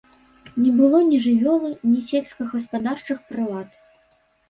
Не было ні жывёлы, ні сельскагаспадарчых прылад.